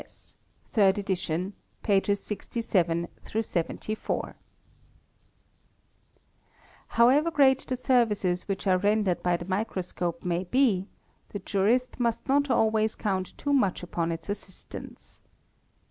S., (Third Edition), pages 67 74. | 4 However great the services which are rendered by the microscope may be, the jurist must not always count too much upon its assistance.